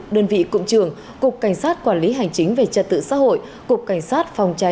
đơn vị cụm trường cục cảnh sát quản lý hành chính về trật tự xã hội cục cảnh sát phòng cháy